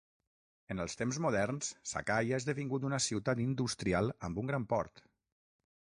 En els temps moderns, Sakai ha esdevingut una ciutat industrial amb un gran port.